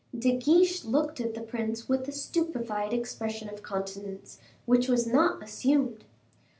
De Guiche looked at the prince with a stupefied expression of countenance, which was not assumed.